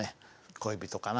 恋人かな？